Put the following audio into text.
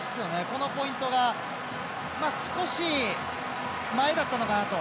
このポイントが少し前だったのかなと。